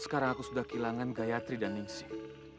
sekarang aku sudah kehilangan gayatri dan ningsi